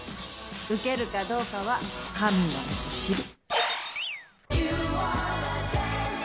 うけるかどうかは神のみぞ知る。